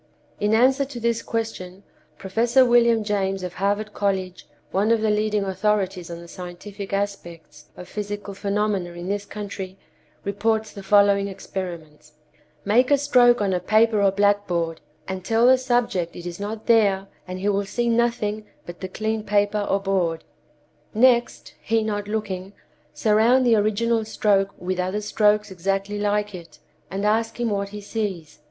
In answer to this question, Professor William James of Harvard College, one of the leading authorities on the scientific aspects of psychical phenomena in this country, reports the following experiments: "Make a stroke on a paper or blackboard, and tell the subject it is not there, and he will see nothing but the clean paper or board. Next, he not looking, surround the original stroke with other strokes exactly like it, and ask him what he sees.